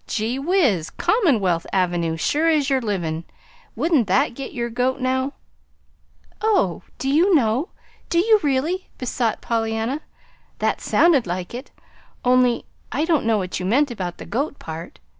"Gee whiz! Commonwealth Avenue, sure as yer livin'! Wouldn't that get yer goat, now?" "Oh, do you know do you, really?" besought Pollyanna. "That sounded like it only I don't know what you meant about the goat part.